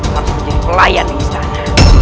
kamu bisa menjadi pelayan istana